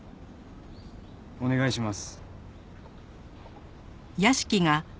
お願いします。